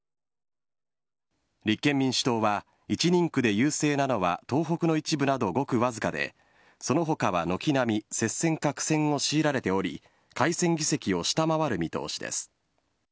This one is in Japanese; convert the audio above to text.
立憲民主党は１人区で優勢なのは東北の一部など、ごくわずかでその他は軒並み接戦か苦戦を強いられており改選議席を下回る見通しです。